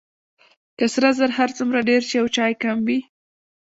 که سره زر هر څومره ډیر شي او چای کم وي.